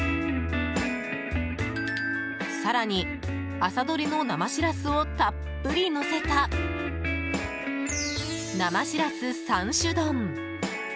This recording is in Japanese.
更に朝どれの生しらすをたっぷりのせた生しらす３種丼。